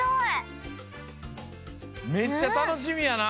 めっちゃたのしみやな。